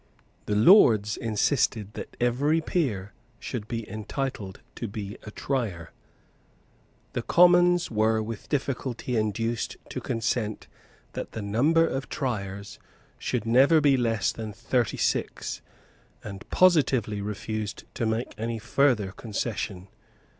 The Lords insisted that every peer should be entitled to be a Trier. The Commons were with difficulty induced to consent that the number of Triers should never be less than thirty six, and positively refused to make any further concession.